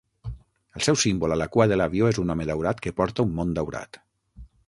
El seu símbol a la cua de l'avió és un home daurat que porta un món daurat.